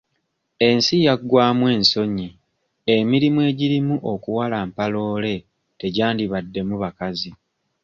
Ensi yaggwamu ensonyi emirimu egirimu okuwalampa loole tegyandibaddemu bakazi.